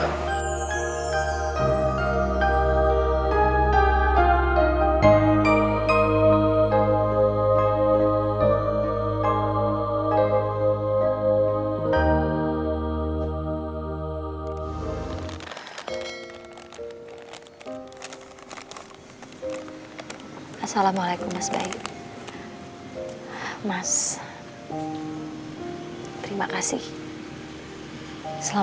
tidak ada buruk catastrophic